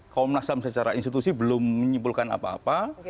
komnas ham secara institusi belum menyimpulkan apa apa